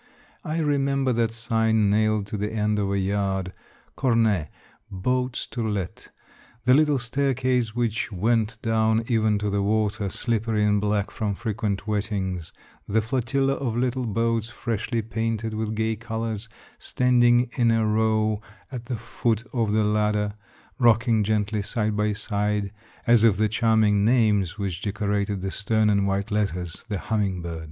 I remember that sign nailed to the end of a yard, *' Cornety boats to let,'' the little staircase which went down even to the water, slippery and black from frequent wet tings, the flotilla of little boats, freshly painted with gay colors, standing in a row at the foot of the ladder, rocking gently side by side, as if the charming names which decorated the stern in white letters, " The Humming bird!'